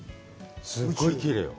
すごいきれいよ！